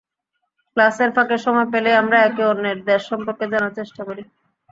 ক্লাসের ফাঁকে সময় পেলেই আমরা একে অন্যের দেশ সম্পর্কে জানার চেষ্টা করি।